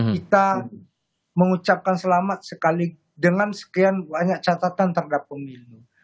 kita mengucapkan selamat sekali dengan sekian banyak catatan terhadap pemilu